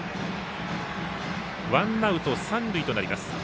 ワンアウト三塁となります。